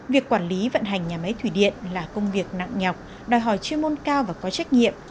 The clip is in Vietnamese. việc quản lý vận hành nhà máy thủy điện là công việc nặng nhọc đòi hỏi chuyên môn cao và có trách nhiệm